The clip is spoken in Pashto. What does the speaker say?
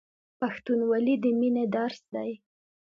پښتونولي د مینې درس دی.